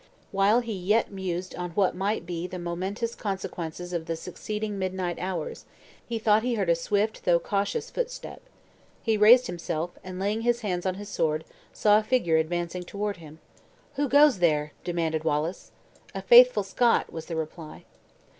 While he yet mused on what might be the momentous consequences of the succeeding midnight hours, he thought he heard a swift though cautious footstep. He raised himself, and laying his hands on his sword, saw a figure advancing toward him. "Who goes there?" demanded Wallace. "A faithful Scot," was the reply.